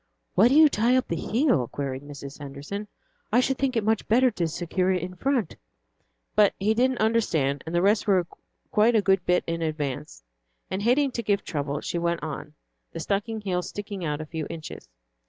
"Why do you tie up the heel?" queried Mrs. Henderson. "I should think it much better to secure it in front." But he didn't understand, and the rest were quite a good bit in advance, and hating to give trouble, she went on, the stocking heel sticking out a few inches.